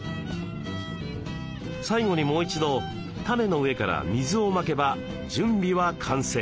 最後にもう一度種の上から水をまけば準備は完成。